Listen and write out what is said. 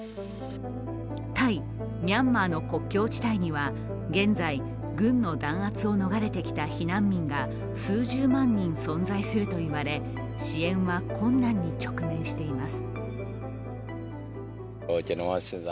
タイ・ミャンマーの国境地帯には現在、軍の弾圧を逃れてきた避難民が数十万人存在すると言われ、支援は困難に直面しています。